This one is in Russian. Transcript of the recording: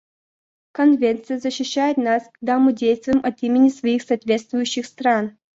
Конвенция защищает нас, когда мы действуем от имени своих соответствующих стран.